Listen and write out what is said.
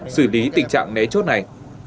xử lý tình trạng né chốt này